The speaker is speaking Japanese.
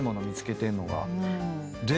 見つけてんのが。